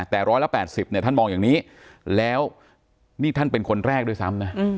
แต่ร้อยละ๘๐เนี่ยท่านมองอย่างนี้แล้วนี่ท่านเป็นคนแรกด้วยซ้ำนะ